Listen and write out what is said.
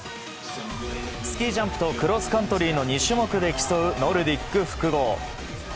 スキージャンプとクロスカントリーの２種目で競うノルディック複合。